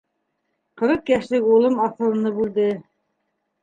Ҡырҡ йәшлек улым аҫылынып үлде...